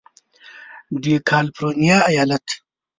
د کالفرنیا ایالت